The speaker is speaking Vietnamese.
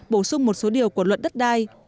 bổ sung một số điều của luật đất đai